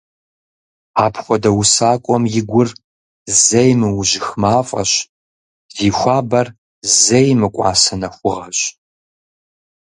Апхуэдэ усакӀуэм и гур зэи мыужьых мафӀэщ, зи хуабэр зэи мыкӀуасэ нэхугъэщ.